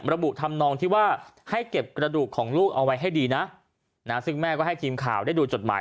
ระบุทำนองที่ว่าให้เก็บกระดูกของลูกเอาไว้ให้ดีนะซึ่งแม่ก็ให้ทีมข่าวได้ดูจดหมาย